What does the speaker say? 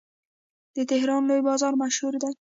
د تهران لوی بازار مشهور دی.